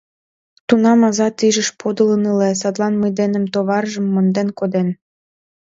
— Тунам ачат изиш подылын ыле, садлан мый денем товаржым монден коден...